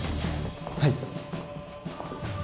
はい？